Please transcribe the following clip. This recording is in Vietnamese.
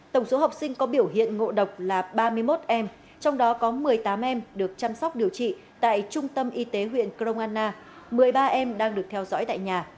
tổng số học sinh có biểu hiện ngộ độc là ba mươi một em trong đó có một mươi tám em được chăm sóc điều trị tại trung tâm y tế huyện crong anna một mươi ba em đang được theo dõi tại nhà